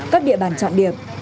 các địa bàn trọng điệp